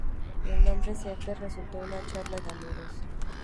El nombre Saeta resultó de una charla de amigos.